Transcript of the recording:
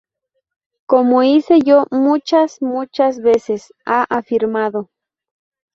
Como hice yo muchas, muchas veces"", ha afirmado.